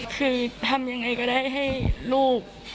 คือทำยังไงก็ได้ให้ลูก